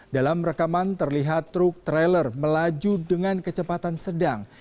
dalam rekaman terlihat truk trailer melaju dengan kecepatan sedang